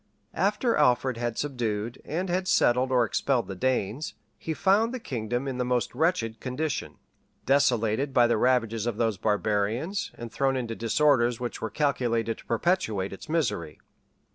After Alfred had subdued, and had settled or expelled the Danes, he found the kingdom in the most wretched condition; desolated by the ravages of those barbarians, and thrown into disorders which were calculated to perpetuate its misery.